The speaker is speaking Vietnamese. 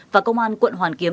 và công an quận hoàn kiếm